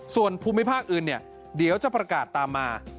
ส่วนภูมิภาคอื่นเดี๋ยวจะประกาศตามมา